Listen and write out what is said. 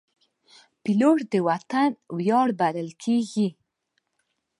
پیلوټ د وطن ویاړ بلل کېږي.